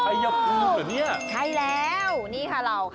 ชัยภูมิเหรอเนี่ยใช่แล้วนี่ค่ะเรา